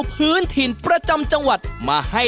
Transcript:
เผาที่